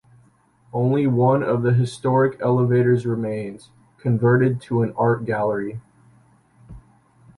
Only one of the historic elevators remains, converted to an art gallery.